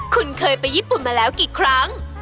คุณเคยไปญี่ปุ่นมาแล้วกี่ครั้ง